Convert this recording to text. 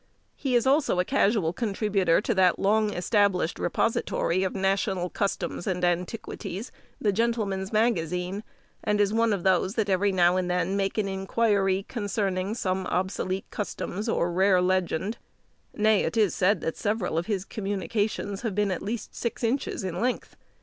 He is also a casual contributor to that long established repository of national customs and antiquities, the Gentleman's Magazine, and is one of those that every now and then make an inquiry concerning some obsolete customs or rare legend; nay, it is said that several of his communications have been at least six inches in length.